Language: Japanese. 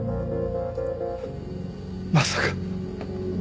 まさか。